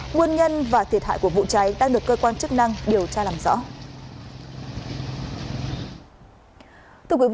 nguồn nhân và thiệt hại của vụ cháy đang được cơ quan chức năng điều tra làm rõ